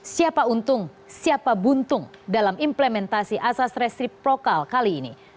siapa untung siapa buntung dalam implementasi asas restrip lokal kali ini